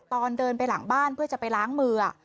ตอนเดินไปหลังบ้านเพื่อจะไปล้างมือ